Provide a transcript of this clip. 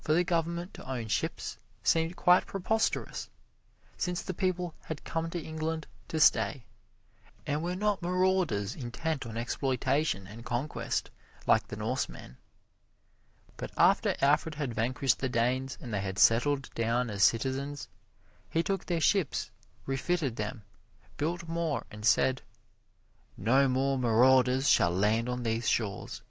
For the government to own ships seemed quite preposterous, since the people had come to England to stay, and were not marauders intent on exploitation and conquest, like the Norsemen. But after Alfred had vanquished the Danes and they had settled down as citizens, he took their ships, refitted them, built more and said: "No more marauders shall land on these shores.